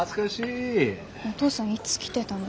お父さんいつ来てたの？